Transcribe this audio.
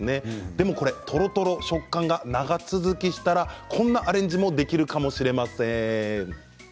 でも、とろとろ食感が長続きしたらこんなアレンジもできるかもしれません。